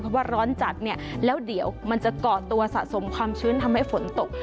เพราะว่าร้อนจัดเนี่ยแล้วเดี๋ยวมันจะเกาะตัวสะสมความชื้นทำให้ฝนตก